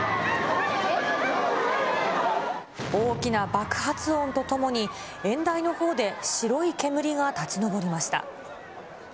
大きな爆発音とともに、演台のほうで白い煙が立ち上りました。